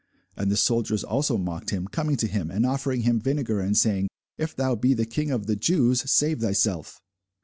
And the soldiers also mocked him, coming to him, and offering him vinegar, and saying, If thou be the king of the Jews, save thyself.